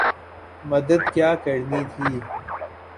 مدد کیا کرنی تھی۔